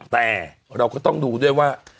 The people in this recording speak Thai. แต่เราก็ต้องดูด้วยว่า